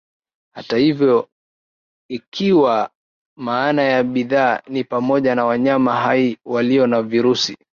Hata hivyo ikiwa maana ya bidhaa ni pamoja na wanyama hai walio na virusi